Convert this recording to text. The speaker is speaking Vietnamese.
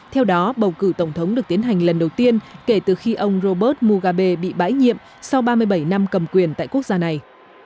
theo đó bầu cử tổng thống được tiến hành lần đầu tiên kể từ khi ông robert mugabe bị bãi nhiệm sau ba mươi bảy năm cầm quyền tại quốc gia này